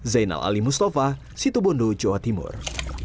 zainal ali mustafa situ bondo jawa timur